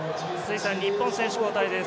日本選手交代です。